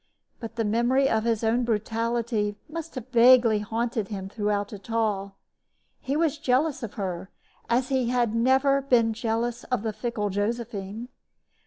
But the memory of his own brutality must have vaguely haunted him throughout it all. He was jealous of her as he had never been jealous of the fickle Josephine.